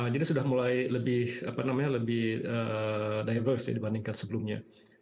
jadi sudah mulai lebih berdiversitas dibandingkan sebelumnya